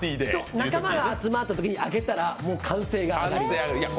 仲間が集まったときに開けたら歓声が上がりました。